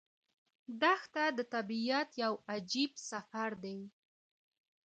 دښته د طبیعت یو عجیب سفر دی.